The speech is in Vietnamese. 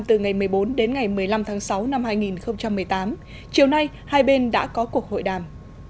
từ ngày một mươi bốn đến ngày một mươi năm tháng sáu năm hai nghìn một mươi tám chiều nay hai bên đã có cuộc hội đàm